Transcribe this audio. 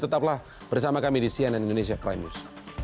tetaplah bersama kami di cnn indonesia prime news